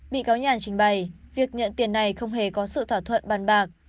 bị cáo nhàn trình bày việc nhận tiền này không hề có sự thỏa thuận bàn bạc